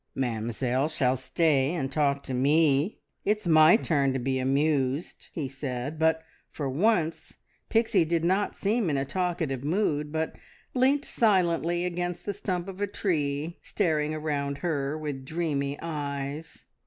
"Mamzelle shall stay and talk to me! It's my turn to be amused," he said; but for once Pixie did not seem in a talkative mood, but leant silently against the stump of a tree, staring around her with dreamy eyes.